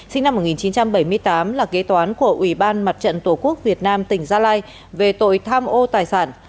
sinh năm một nghìn chín trăm bảy mươi tám là kê toán của ubnd tổ quốc việt nam tỉnh gia lai về tội tham ô tài sản